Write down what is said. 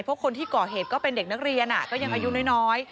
เพราะคนที่ก่อเหตุก็เป็นเด็กนักเรียนก็ยังอายุน้อย